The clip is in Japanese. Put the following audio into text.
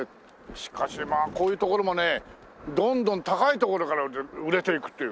しかしまあこういうところもねどんどん高いところから売れていくっていう。